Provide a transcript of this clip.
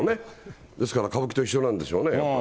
ですから歌舞伎と一緒なんでしょうね。